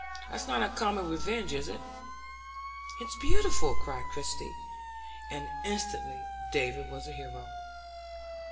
That's not a common revenge, is it?" "It's beautiful!" cried Christie, and instantly David was a hero.